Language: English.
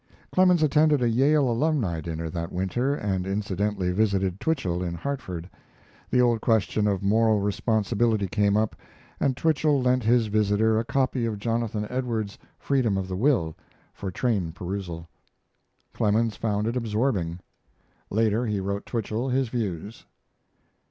Clemens attended a Yale alumni dinner that winter and incidentally visited Twichell in Hartford. The old question of moral responsibility came up and Twichell lent his visitor a copy of Jonathan Edwards's 'Freedom of the Will' for train perusal. Clemens found it absorbing. Later he wrote Twichell his views.